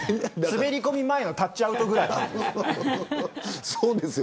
滑り込み前のタッチアウトぐらいです。